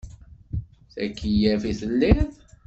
D akeyyaf i telliḍ?